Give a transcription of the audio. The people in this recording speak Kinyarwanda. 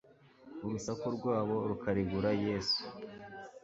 Urusaku rwabo rukarigura Yesu.